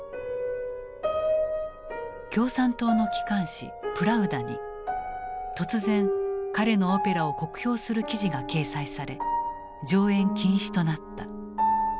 共産党の機関紙「プラウダ」に突然彼のオペラを酷評する記事が掲載され上演禁止となった。